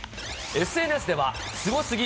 ＳＮＳでは、すごすぎ！